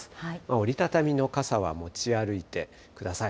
折り畳みの傘は持ち歩いてください。